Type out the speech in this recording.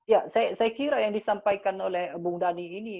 ya saya kira yang disampaikan oleh bung dhani ini